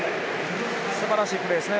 すばらしいプレーですね。